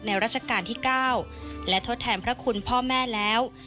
ราชการที่๙และทดแทนพระคุณพ่อแม่แล้ว